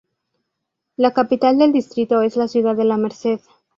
La capital del distrito es la ciudad de La Merced.